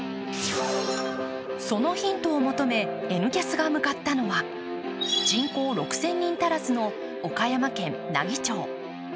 そのヒントを求め「Ｎキャス」が向かったのは、人口６０００人足らずの岡山県奈義町。